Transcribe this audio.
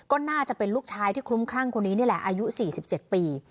ก็น่าจะเป็นลูกชายที่คลุ้มคลั่งคนนี้นี่แหละอายุ๔๗ปี